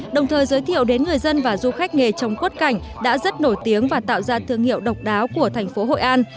đồng thời giới thiệu đến người dân và du khách nghề trồng quất cảnh đã rất nổi tiếng và tạo ra thương hiệu độc đáo của thành phố hội an